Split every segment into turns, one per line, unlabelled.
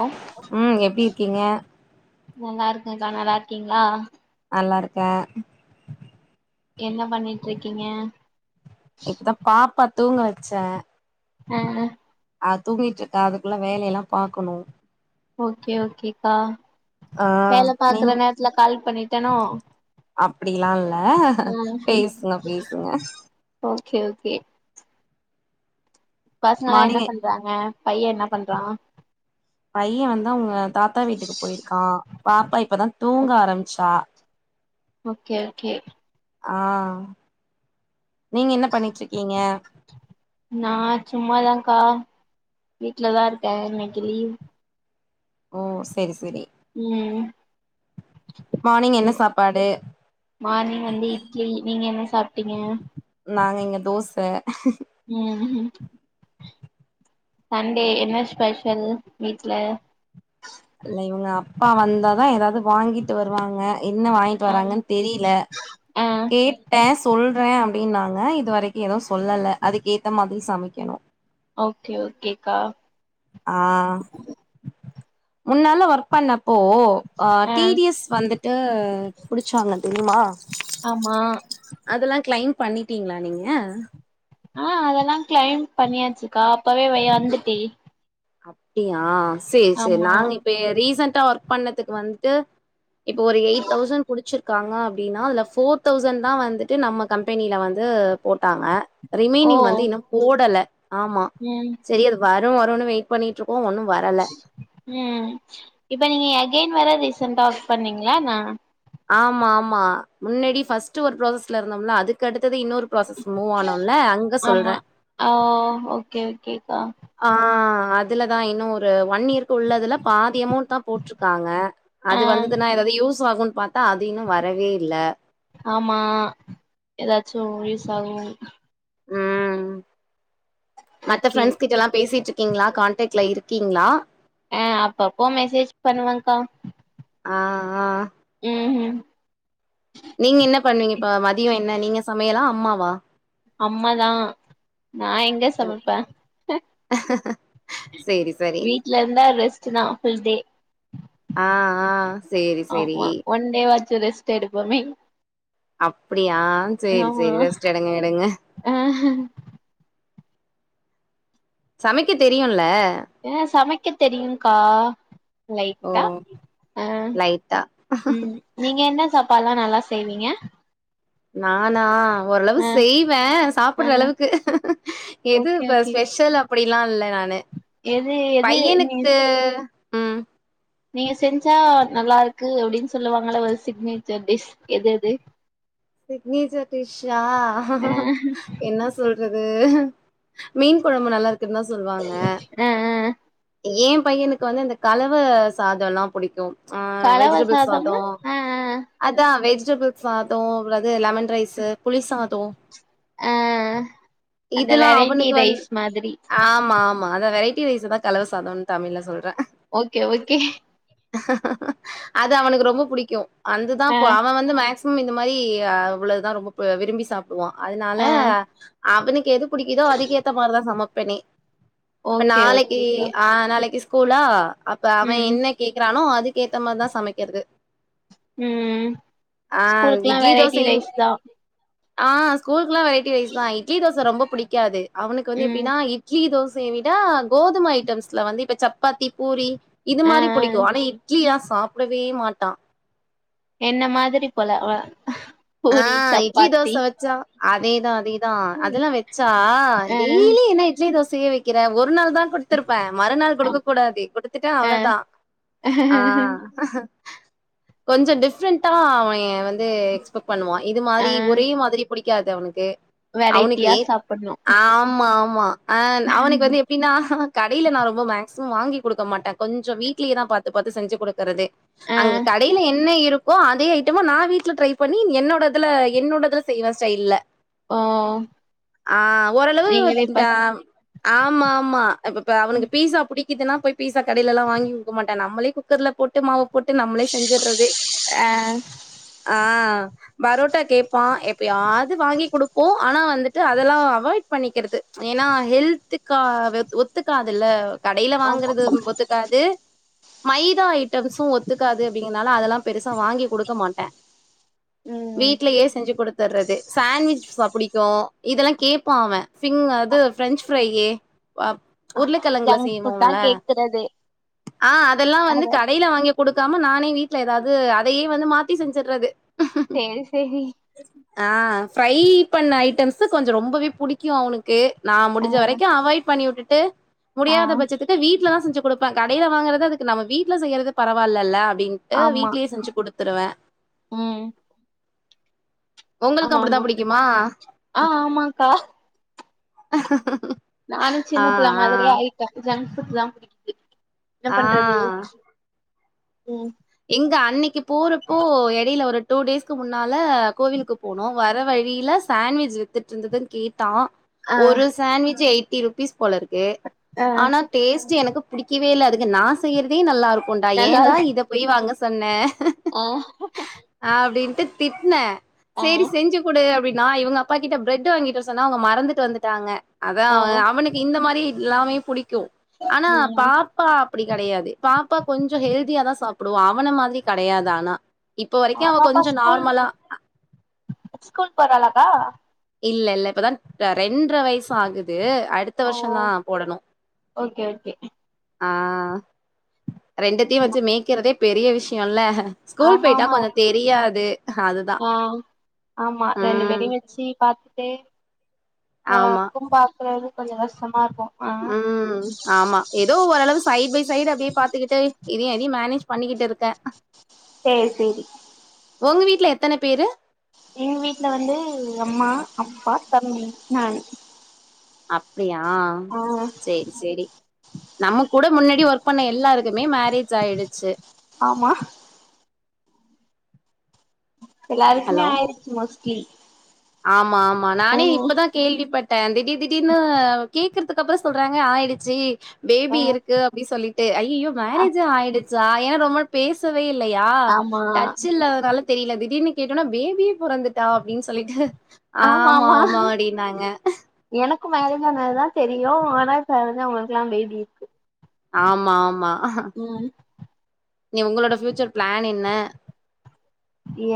ஆ
ம் எப்டி இருக்கீங்க
நல்லாருக்கக்கா நல்லா இருக்கீங்ளா
நல்லா இருக்கே
என்ன பண்ணிட் இருக்கீங்க
இப்தா பாப்பா தூங்க வச்ச
ஆ
அ தூங்கிட்டு இருக்கா அதுக்குள்ள வேலைலா பாக்குணு
ஓகே ஓகேக்கா
ஆ
வேல பாக்குற
நீங்
நேரத்துல கால் பண்ணிட்டனோ
அப்டிலா இல்ல பேசுங்க பேசுங்க
ஓகே ஓகே பசங்லா என்ன
மார்னிங்
பண்றாங்க பையன் என்னா பண்றா
பைய வந்தா அவுங்க தாத்தா வீட்டுக்கு போயிருக்கா பாப்பா இப்பதா தூங்க ஆரம்பிச்சா
ஓகே ஓகே
ஆ நீங்க என்ன பண்ணிட்டருக்கீங்க
நா சும்மாதாக்கா வீட்லதா இருக்க இன்னைக்கி லீவ்
ஓ செரி செரி
ம்
மார்னிங் என்ன
இன்னைக்
சாப்பாடு
மார்னிங் வந்து இட்லி நீங்க என்ன சாப்ட்டீங்க
நாங்க இங்க தோச
ம் சண்டே என்ன ஸ்பெஷல் வீட்ல
இல்ல இவுங்க அப்பா வந்தாதா எதாது வாங்கிட்டு வருவாங்க என்ன வாய்ங் ட்
ஆ
வராங்கன் தெரில
ஆ
கேட் ட்டே சொல்றே அப்டின்னாங்க இது வரைக்கு எதுவு சொல்லல அதுக்கு ஏத்த மாதிரி சமைக்கணு
ஓகே ஓகேக்கா
ஆ முன்னால ஒர்க் பண்ணப்போ அ
ஆ
டி டி எஸ் வந்துட்டு புடிச்சாங்க தெரியுமா
ஆமா
அதலா கிளைம் பண்ணிட்டீங்ளா நீங்க
ஆ அதலாங் கிளைம் பண்ணியாச்சுக்கா அப்பவே வையந்துட்டு
அப்டியா சேர் சேர்
ஆமா
நாங்க இப்ப ரீசண்டா ஒர்க் பண்ணதுக்கு வந்ட்டு இப்போ ஒரு எயிட் தௌசண்ட் புடிச்சிர்க்காங்க அப்டினா அதல ஃபோர் தௌசண்ட்தா வந்துட்டு நம்ம கம்பெனில வந்து போட்டாங்க
ஓ
ரிமைனிங் வந்து இன்னும் போடல ஆமா
ம்
செரி அது வரு வருனு வெயிட் பண்ணிட்ருக்கோ ஒன்னு வரல்
ம் இப்ப நீங்க எகைன் வேற ரிசெண்டா ஒர்க் பண்ணீங்ளானா
ஆமா ஆமா முன்னாடி ஃபர்ஸ்ட்டு ஒரு ப்ராசஸ்ல இருந்தோம்ல அதுக்கடுத்தத இன்னொரு ப்ராசஸ் மூவ் ஆனோல்ல அங்
ஆமா அவ் ஓகே ஓகேக்கா
ஆ அதுலதா இன்னு ஒரு ஒன்னியர்க் குள்ளதுலப் பாதி அமௌண்ட்தா போட்ருக்காங்க
ஆ
அது வந்ததுனா எதா அது யூஸ் ஆகுன் பாத்தா அது இன்னு வரவே இல்ல
ஆமா எதாச்சு யூஸ் ஆகு
ம். மத்த
ஓகே
ஃப்ரெண்ட்ஸ் கிட்டலா பேசிட்ருக்கீங்ளா காண்டாக்ட்ல இருக்கீங்ளா
ஆ அப்பப்போ மெசேஜ் பண்ணுவங்க்கா
ஆ ஆ
ம் ம்
நீங்க என்ன பண்ணுவீங்க இப்ப மதியோ என்ன நீங்க சமையலா அம்மாவா
அம்மாதா நா எங் க சமைப்பே
சரி, சரி.
வீட் ட்லந்தா ரெஸ்ட்டுதா ஃபுல் டே
ஆ, ஆ. சரி, சரி.
ஆமா ஒன் டே வாச்சு ரெஸ்ட்டு எடுப்போமே
அப்டியா சேரி
ஆமா
சேரி ரெஸ்ட்டு எடுங்க எடுங்க
ஆ
சமைக்கத் தெரியுல்ல
அ சமைக்கத் தெரியுங்க்கா லைட்டா
ஓ!
அ
லைட்டா
ம் நீங்க என்ன சாப்பாலா நல்லா செய்வீங்க
நானா ஓரளவு
ஆ
செய்வே
ஆ
சாப்புட்ற அளவுக்கு எது
ஓகே
இப்ப
ஓகே
ஸ்பெஷல் அப் ப்டிலா இல்ல நானு
எது எது நீங்க
பையனுக்கு ம்
நீங்க செஞ்சா நல்லாருக்கு அப்டின் சொல்லுவாங்கள ஒரு சிக்னேச்சர் டிஷ் எது எது
சிக்னேச்சர் டிஷ்ஷா
ஆ
என்னாச் சொல்றது மீன் கொழம்பு நல்லாருக்குன்தா சொல்வாங்க
ஆ ஆ
எம் பையனுக்கு வந்து இந்த கலவ சாதலாம் புடிக்கு ஆ
கலவ
வெஜிடெபிள் சாதோ
சாதம்னா ஆ ஆ
அதா வெஜிடெபிள் சாதோ வுளது லெமன் ரைஸ்சு புளிசாதோ
ஆ அந்த
இதுலா
வெரைட்டி
அவுனுக்கு வந்து
ரைஸ் மாதிரி
ஆமா ஆமா அத வெரைட் கீ ரைசதா கலவ சாதோன் தமிழ்ல சொல்றே
ஓகே ஓகே
அது அவனுக்கு ரொம்ப புடிக்கு அந்துதா
ஆ
ப அவன் வந்து மேக்சிமம் இந்த மாரி யா அவ்ளோதா ரொம்ப ப விரும்பி சாப்புடுவா அதுனால
ஆ
அவனுக்கு எது புடிக்குதோ அதுக்கு ஏத்த மாரிதா சமப்பனே இப்ப
ஓகே
நாளைக்கி
ஓகேக்கா
ஆ நாளைக்கி ஸ்கூஸ்லா அப்ப அவன்
ம்
என்ன கேக்குறானோ அதுக்கு ஏத்த மாரிதா சமைக்கிறது
ம்
ஆ
ஸ்கூலுக்குல்லா
இட்லி தோச
வெரைட்டி
செய்யும்
ரைஸ் தா
ஆ ஸ்கூலுக்குல்லா வெரைட்டி ரைஸ் தா இட்லி தோச ரொம்ப புடிக்காது அவனுக்கு வந்து
ம்
எப்டின்னா இட்லி தோசைய விட கோதுமை ஐட்டம்ஸ்ல வந்து இப்ப சப்பாத்தி பூரி இது
ஆ
மாரி
ஆ
புடிக்கு ஆனா இட்லியா சாப்டவே மாட்டா
என்ன மாதிரி போல அவ
ஆ
பூரி
இட்லி தோச
சப்பாத்தி
வச்சா அதேதா அதேதா அதெல்லா வெச்சா
ஆ
டெய்லியு என்ன இட் லி தோசயே வக்கிறே ஒரு நாள் தா குடுத்துருப்பே மறுநாள்
ஆம்
குடுக்கக் கூடாது குடுத்துட்டே
ஆ
அவ்ளோதா ஆ ஆ கொஞ்சோ டிஃப்ரெண்டா அவே எ வந்து எக்ஸ்பெக்ட் பண்ணுவா இது
ஆ
மாரி ஒரே மாதிரி புடிக் க்காது அவனுக்கு அவனுக்கு
வெரைட்டியா
ஏத்
சாப்புட்ணு
ஆமா ஆமா ஆ அவனுக்கு வந்து எப் டினா கடையில நா ரொம்ப மேக்சிமம் வாங்கி குடுக்க மாட்டே கொஞ்சோ வீட்லயே தா பாத்து பாத்து செஞ்சு குடுக்குறது
ஆ
அங்க கடையில என்ன இருக்கோ அதே ஐட்டமா நா வீட்ல ட்ரை பண்ணி என்னோட இதுல என்னோடதுல செய்வே ஸ்டைல்ல
ஓ
ஆ ஓரளவு
நீங்களே
இந்த
ப
ஆமா ஆமா இப்பப்ப அவனுக்கு பீஸா புடிக்குதுன்னா போய் பீஸா கடையிலல்லா வாங்கி குடுக்க மாட்டே நம்மளே குக்கர்ல போட் ட்டு மாவ போட்டு நம்மளே செஞ்சிர்றதே
ஆ
ஆ அ பரோட்டா கேப்பா எப்பையாது வாங்கி குடுப்போ ஆனா வந்துட்டு அதெல்லா அவாய்ட் பண்ணிக்கிறது ஏன்னா ஹெல்த்துக்கா வ ஒத்துக்காதுல்ல கடையில
ஆமா
வாங்குறது ஒத்துக் க்காது மைதா ஐட்டம்ஸும் ஒத்துக்காது அப்டிங்கனால அதெல்லா பெருசா வாங்கி குடுக்க மாட்டே
ம்
வீட்லயே செஞ்சு குடுத்துர்றது சாண்ட்விச் ச புடிக்கு இதெல்லா கேப்பா அவெ பிங் அது ப்ரெஞ்ச் ஃப்ரையி ப உருளக்கெழங்குள
ஜங்க் ஃபுட் தா
செய்வோல்ல
கேக்குறது
ஆ அதெல்லா வந்து
அத
கடையில வாங்கிக் குடுக்காம நானே வீட்டுல எதாவது அதையே வந்து மாத்தி செஞ்சுர்றது
சேரி சேரி
ஆ ஃப்ரை பண்ண ஐட்டம்ஸ்சு கொஞ்சோ ரொம்பவே புடிக்கு அவனுக்கு நா
ஆ
முடிஞ்ச வரைக்கு அவாய்ட் பண்ணி வுட்டுட்டு
ஆ
முடியாத பட்சத்துக்கு த்து வீட்டுல தா செஞ்சு குடுப்பே கடையில வாங்குறது அதுக்கு நம்ம வீட்ல செய்யறது பரவால்லல்ல அப்டின் ட்டு
ஆமா
வீட்லயே செஞ்சு குடுத்துருவே
ம்
உங்களுக்கு
ஆமா ஆமா
அப்டித்தா புடிக்குமா
ஆ ஆமாக்கா நானு
ஆ
சின்ன புள்ள மாதிரியே ஆயிட் ட்டே ஜங்க் ஃபுட்தா புடிக்குது என்ன
ஆ
பண்றது
ஆ
ம்
எங்க அன்னைக்கு போறப்போ எடையில ஒரு டூ டேஸ்க்கு முன்னால கோவிலுக்குப் போனோ வர வழியில சாண்விச் வித்துட்டு இருந்ததுன்னு கேட்டா
ஆ
ஒரு சாண்விச் எயிட்டி ருபீஸ் போலருக்கு
ஆ
ஆனா டேஸ்ட்டு எனக்கு புடிக்கவே இல்ல அதுக்கு நா செய்யிறதே நல்லா இருக்குன்டா
நல்லா
ஏன்டா இதப் போய் வாங்க சொன்ன
ஆ
அப்டின்ட்டு திட்னே
ஆ
சேரி செஞ்சு குடு அப்டின்னா இவுங்க அப்பா கிட்ட ப்ரட்டு வாங்கிட் வர சொன்னா அவுங்க மறந்துட்டு வந்துட்டாங்க அத
ஆ
அவ அவனுக் இந்த மாரி எல்லாமே புடிக்கு ஆனா
ம்
பாக் பா அப்டி கெடையாது பாப்பா கொஞ்சோ ஹெல்தியா தா சாப்டுவா அவன மாதிரி கடையாது ஆனா இப்ப வரைக்கு
ஆ
அவ
பாப்பா
கொஞ்சோ
ஸ்கூல்
நார்மலா
ஸ்கூல் போறாலாக்கா
இல்ல இல்ல இப்பதா ரெண்ர வயசாகுது அடுத்
ஓ ஓகே ஓகே
ஆ ரெண்டுத்தியு வச்சு மேய்க்கிறதே பெரிய விஷியோல்ல ஸ்கூல்
ஆமா
பேய்ட்டா
ஆமா
கொஞ்சோ தெரியாது அதுதா ம்
சீ பாத்துட்டே ஆ
ஆமா
ஒர்க்கும்பாக்குறது கொஞ்சோ கஷ்டமா இருக்கு
ஆ ஆமா ஏதோ ஓரளவு சைட் பை சைடு அப்டியே பாத்துக்கிட்டு இதையு அதையு மேனேஜ் பண்ணிக்கிட்டு இர்க்க
சேர் சேரி
ஒங்க வீட்ல எத்தன பேரு
எங்க வீட்ல வந்து அம்மா அப்பா தம்பி நானு
அப்டியா
ஆ
சேரி சேரி நம்ம கூட முன்னாடி ஒர்க் பண்ண எல்லாருக்குமே மேரேஜ் ஆயிடுச்சு
ஆமா எல்லாருக்குமே
ஹலோ
ஆயிருச்சு மோஸ்ட்லி
ஆமா ஆமா நானே
ம்
இப்பதா கேள்விப்பட்ட திடீர் திடீனு கேக்குற த்துஅதுக்கப்றோ சொல்றாங்க ஆயிடுச்சு
ஆ
பேபி இருக்கு அப்டி சொல்லிட்டு ஐயயோ
ஆ
மேரேஜே ஆயிடு ச்சா ஏனா ரொம்ப நாள் பேசவே இல்லையா
ஆமா
டச் இல்லாதனால தெரியல திடீர்னு கேட்டோன்ன பேபியே பொறந்துட்டா அப்டின் சொல்லிட்டு
ஆமா ஆமா எனக்கு மேரேஜ் ஆனதுதா தெரியு ஆனா கல்யாணவுக்குல்லா பேபி இருக்கு
ஆமா ஆமா
ம்
இனி உங்களோட ஃபியூச்சர் பிளான் என்ன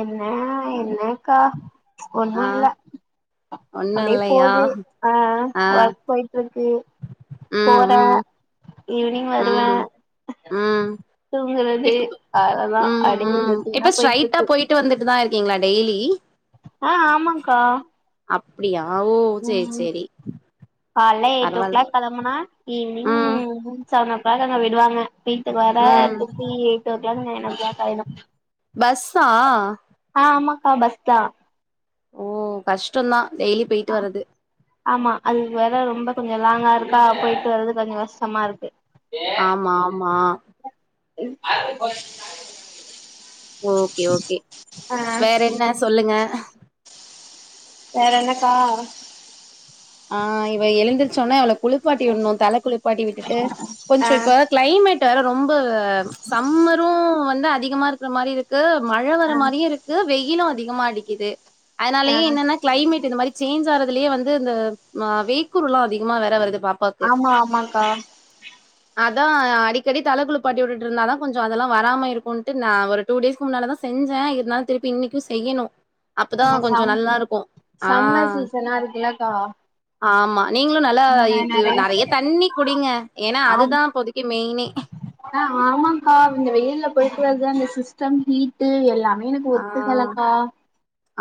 என்ன என்னக்கா ஒண்ணு
ஆ
இல்ல
ஒண்ணு
அப்டியே
இல்லையா
போது ஆ
ஆ
ஒர்க் போய்ட்டு இருக்கு
ம்
போற
ம்
ஈவினிங் வருவ
ம் ம்
தூங்குறது
இப்ப
அவ்ளோதா அப்டே ரொட்டினா போயிட்டு இருக்கு
ட்டு வந்துட்டுதா இருக்கீங்களா டெய்லி
ஆ ஆமாங்க்கா
அப்டியா ஓ சேர் சேரி
கால்ல எயிடே ஓ
பரவால்ல
கிளாக் கெலம்புனா ஈவி்னிங்
ம்
செவன் ஓ கிளாக் அங்க விடுவாங்க வீட்டுக்கு வர
ம்
திருப்பி eight o'clock nine o'clock ஆயிடு
பஸ்ஸா
ஆ ஆமாக்கா பஸ்தா
ஓ கஷ்டோந்தா டெய்லி போயிட்டு வர்றது
ஆமா அது வேற ரொம்ப கொஞ்சோ லாங்கா இருக்கா போயிட்டு வர்றது கொஞ்சோ கஷ்டமா இருக்கு
ஆமா ஆமா
[unintelligible]
ஓகே ஓகே
ஆ
வேற என்ன சொல்லுங்க
வேற என்னக்கா
ஆ இவ எழுந்தருச்சோன்னா இவல குளிப்பாட்டி விடணு தல குளிப்பாட்டி விட்டுட்டு
ஆ
கொஞ்சோ இப்ப கிளைமேட் வேற ரொம்ப சம்மரு வந்து அதிகமா இருக்கிற மாரி இருக்கு மழ வர
ஆ
மாரியு இருக்கு வெயிலு அதிகமா அடிக்கிது
ஆ
அதனாலயே என்னன்ன கிளைமேட் இந்த மாரி சேஞ்ச் ஆறதுலயே வந்து இந்த ஆ வேக்குறுலா அதிகமா வேற வருதுபா
ஆமா ஆமாக்கா
அதா அடிக்கடி தலக்குழு பாட்டி வுட்டுட் இருந்தாதா கொஞ்சோ அதெல்லா வராம இருக்குன்ட்டு நா ஒரு டூ டேஸ்கு முன்னால தா செஞ்ச இருநாளு திருப்பி இன்னிக்கு செய்யணு அப்பதா
ஆமா
கொஞ்ச நல்லா இருக்கு ஆ
கன்னா இருக்குல த வா
ஆமா நீங்களு நல்லா இது நெறைய தன்ணி குடிங்க ஏனா
ஆம்
அதுதா அப்போதைக்கு மெயினே
ஆ ஆமாக்கா இந்த வெயில்ல போயிட்டு அதா அந்த சிஸ்டம் ஹீட்டு எல்லாமே எனக்கு
ஆ
ஒத்துக்கலக்கா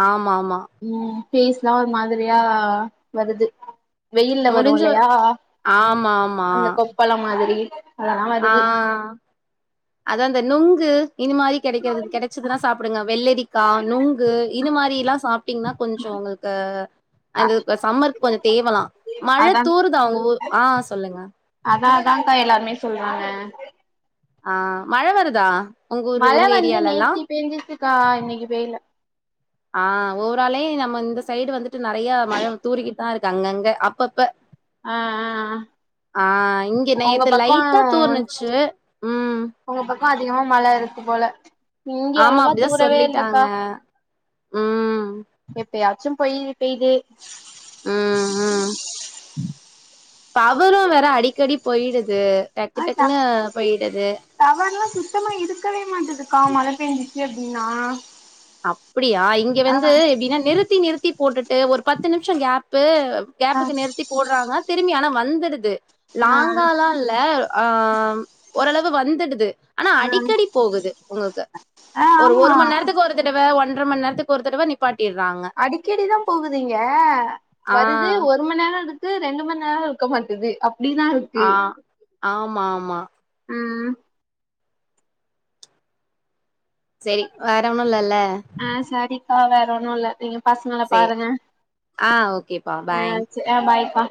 ஆமா ஆமா
ம் பேஸ்லா ஒரு மாதிரியா வருது வெயில்ல வரு
முடிஞ்ச
இல்லையா
ஆமா, ஆமா.
அந்த கொப்பளம் மாதிரி அதெல்லா வருது
அதா அந்த நொங்கு இனி மாரி கெடைக்கறது கெடச்சதுனா சாப்டுங்க வெள்ளரிக்கா நொங்கு இது மாரில்லா சாப்ட்டீங்னா கொஞ்சோ உங்களுக்கு
அ
அந்த சம்மருக்கு கொஞ்ச தேவலா மழ
அதா
தூருதா ஒ ஆ சொல்லுங்க
அதா அதாங் கா எல்லாருமே சொல்றாங்க
ஆ மழ வருதா உங்க ஊரு
மழ
உங்க
வந்து
ஏரியாலலாம்?
நேத்தி பேஞ்சிச்சுக்கா இன்னிக்கு பெய்ல
ஆ ஓவ்ராளே நம்ம இந்த சைடு வந்துட்டு நெறைய மழ தூரிகிட் தா இருக்கு அங்கங்க அப்பப்ப
ஆ ஆ ஆ
ஆ இங்க
உங்க
நேத்து லைட்டா
பக்கோ
தூர்னிச்சி ம்
உங்க பக்கோ அதிகமா மழ இருக்கு போல இங்க
ஆமா,
அவ்ளவா
அப்படிதான்
தூரவே
சொல்லிட்டாங்க.
இல்லக்கா
ம்.
எப்பயாச்சு பொய் பெய்து
ம் ம் பவரு வேற அடிக்கடி போயிடுது டக்கு
ஆ ட
டக்குன்னு போய்டுது
டவர்லா சுத்தமா இருக்கவே மாட்டதுக்கா மழ பேஞ்சிச்சி அப்டினா
அப்டியா இங்க வந்து எப்டினா நிறுத்தி நிறுத்தி போட்டுட்டு ஒரு பத்து நிமிஷோ கேப்பு
ஆ
கேப்புக்கு நிறுத்தி போட்றாங்க திரும்பி ஆனா வந்துருது
ஆ
லாங்கால்லா இல்ல ஆ ம் ஓரளவு வந்துடுது ஆனா அடிக்கடி போகுது உங்கக்கு
ஆ
ஒரு
ஆமா
ஒரு மண் நேரத்துக்கு ஒரு ஒரு தடவ ஒன்றர மண் நேரத்துக்கு ஒரு தரவ நிப்பாட்டிற்றாங்க
அடிக்கடி தா போகுது இங்க
ஆ
வருது ஒரு மண் நேரோ இருக்குத் து ரெண்டு மண் நேரோ இருக்க மாட்டுது அப்டிதா இருக்
ஆ ஆமாமா
ம்
சேரி வேற ஒன்னு இல்லல்ல
அ சரிக்கா வேற ஒன்னு இல்ல நீங்க பசங்கள
சே
பாருங்க
ஆ ஓகேப்பா
அ
பாய்
து அ பாய்க்கா